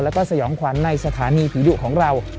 แล้วก็สยองขวัญในสถานีผีดุของเรา